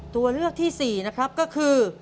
ตัวเลือกที่๔นะครับก็คือ